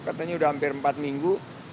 katanya sudah hampir empat minggu